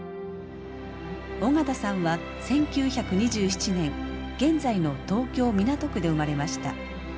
緒方さんは１９２７年現在の東京・港区で生まれました。